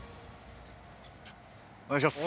お願いします。